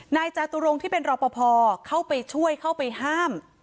นายจาตุรงค์ที่เป็นรอปภเข้าไปช่วยเข้าไปห้าม